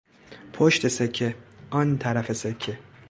پشت سکه، آن طرف سکه